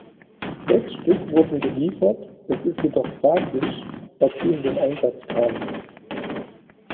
Sechs Stück wurden geliefert, es ist jedoch fraglich, ob sie in den Einsatz kamen.